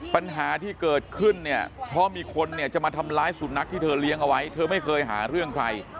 ปัญหาที่เกิดขึ้นเนี่ยเพราะมีคนเนี่ยจะมาทำร้ายสุนัขที่เธอเลี้ยงเอาไว้เธอไม่เคยหาเรื่องใคร